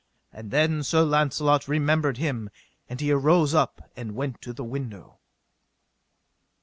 And then Sir Launcelot remembered him, and he arose up and went to the window.